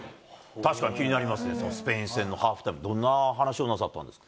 確かに気になりますね、スペイン戦のハーフタイム、どんな話をなさったんですか？